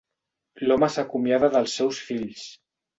L'home s'acomiada dels seus fills.